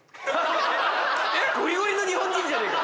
ごりごりの日本人じゃねえか！